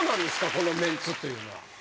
このメンツというのは。